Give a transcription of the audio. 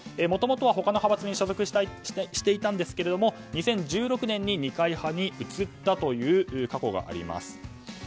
もともとは他の派閥に所属していたんですけども２０１６年に二会派に移ったという過去があります。